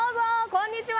こんにちは！